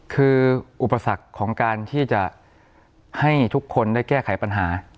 คืออุปสรรคของการที่จะให้ทุกคนได้แก้ไขปัญหา